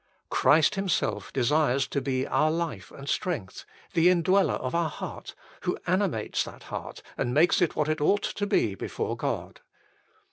Christ Himself desires to be our life and strength, the Indweller of our heart, who animates that heart and makes it what it ought to be before God.